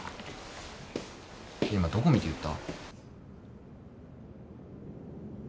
今どこ見て言った？